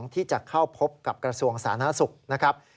ที่จะเข้าพบกับกระทรวงสาธารณสุขนะครับ